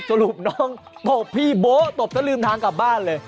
สรุปน้องตบพี่โบ๊ะตบแล้วลืมทางกลับบ้านเลย